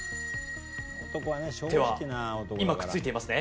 手は今くっついていますね？